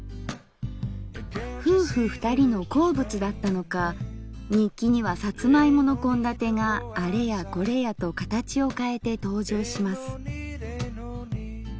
夫婦２人の好物だったのか日記にはさつま芋の献立があれやこれやと形を変えて登場します。